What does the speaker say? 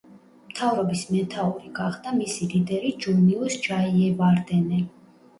მთავრობის მეთაური გახდა მისი ლიდერი ჯუნიუს ჯაიევარდენე.